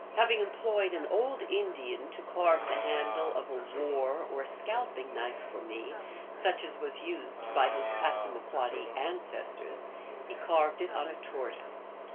Having employed an old Indian to carve the handle of a war /or scalping knife for me, such as was used by his Passamaquoddy ancestors, he carved on it a tortoise.